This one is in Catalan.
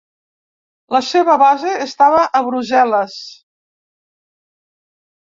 La seva base estava a Brussel·les.